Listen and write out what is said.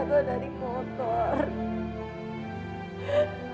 jatuh dari motor